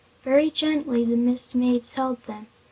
Very gently the Mist Maids held them.